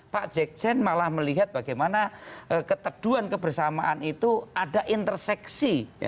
pak jekjen malah melihat bagaimana keteduan kebersamaan itu ada interseksi